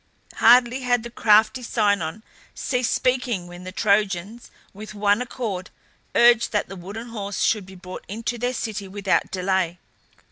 Hardly had the crafty Sinon ceased speaking when the Trojans, with one accord, urged that the wooden horse should be brought into their city without delay.